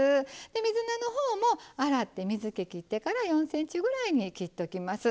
で水菜の方も洗って水けきってから４ｃｍぐらいに切っときます。